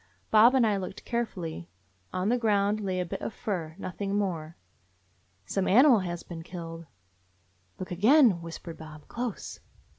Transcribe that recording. Bob and I looked carefully. On the ground lay a bit of fur, nothing more. "Some animal has been killed," I said. 200 AN INDIAN DOG "Look again," whispered Bob. "Close!"